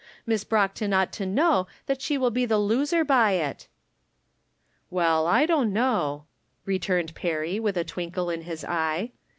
Miss Brockton ought to know that she will be the loser by it." " Well, I don't know," returned Perry, with a twinkle in his eye.